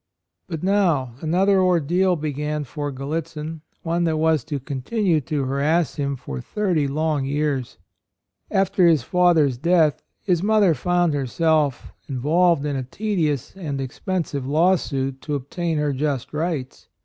But now another ordeal began for Gallitzin, — one that was to continue to harass him for thirty long years. After his 106 A ROYAL SON father's death his mother found herself involved in a tedious and expensive lawsuit, to obtain her just rights.